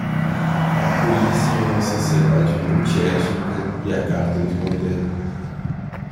A polícia em uma sociedade multiétnica e a carta de Roterdã.